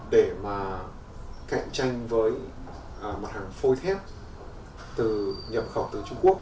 để mà cạnh tranh với mặt hàng phôi thép từ nhập khẩu từ trung quốc